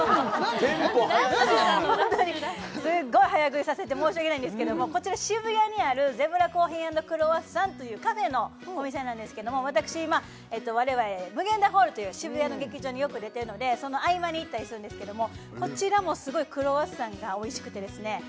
テンポ速いなすっごい早食いさせて申し訳ないんですけどもこちら渋谷にあるゼブラコーヒー＆クロワッサンというカフェのお店なんですけども我々∞ホールという渋谷の劇場によく出てるのでその合間に行ったりするんですけどもこちらもすごいクロワッサンがおいしくてですね